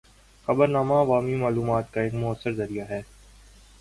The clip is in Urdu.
خبرنامے عوامی معلومات کا ایک مؤثر ذریعہ ہیں۔